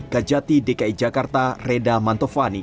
kajati dki jakarta reda mantovani